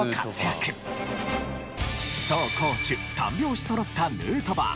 走攻守３拍子そろったヌートバー。